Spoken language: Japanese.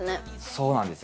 そうなんですよ。